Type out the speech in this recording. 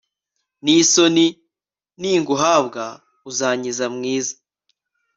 n'isoni, ninguhabwa uzankiza mwiza